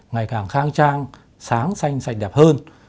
ngày càng khang trang sáng xanh sạch đẹp hơn